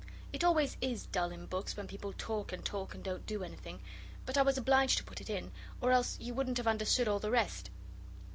It is always dull in books when people talk and talk, and don't do anything, but I was obliged to put it in, or else you wouldn't have understood all the rest.